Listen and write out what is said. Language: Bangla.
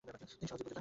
তিনি সহজেই বুঝে যান।